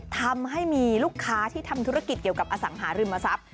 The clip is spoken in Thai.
ทำให้มีลูกค้าที่ทำธุรกิจเกี่ยวกับอสังหาริมทรัพย์